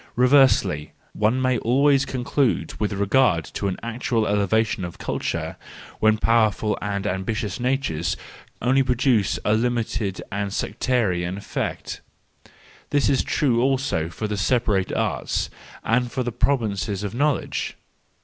Reversely, one may always conclude with regard to an actual elevation of culture, when powerful and ambitious natures only produce a limited and sectarian effect: this is true also for the separate arts, and for the provinces of knowledge.